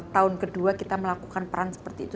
tahun kedua kita melakukan peran seperti itu